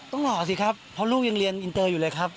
หล่อสิครับเพราะลูกยังเรียนอินเตอร์อยู่เลยครับ